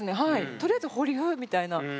とりあえず保留みたいな。